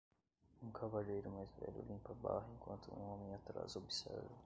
Um cavalheiro mais velho limpa a barra enquanto um homem atrás observa.